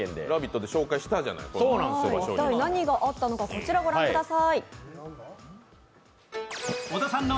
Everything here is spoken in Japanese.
一体、何があったのかこちらご覧ください。